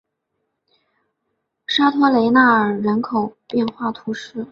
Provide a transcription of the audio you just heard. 沙托雷纳尔人口变化图示